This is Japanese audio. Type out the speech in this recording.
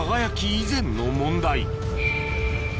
以前の問題